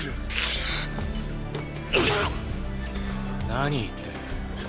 何言ってる。